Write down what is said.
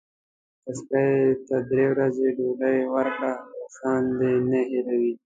که سپي ته درې ورځې ډوډۍ ورکړه احسان نه هیروي.